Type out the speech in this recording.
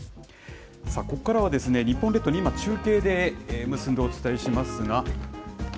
ここからは日本列島を中継で結んでお伝えしますが。